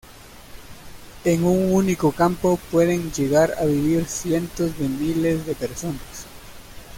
En un único campo pueden llegar a vivir cientos de miles de personas.